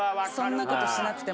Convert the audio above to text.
そんなことしなくてもね。